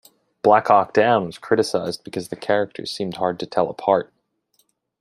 "Black Hawk Down" was criticized because the characters seemed hard to tell apart.